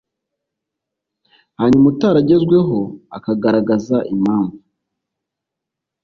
hanyuma utaragezweho akagaragaza impamvu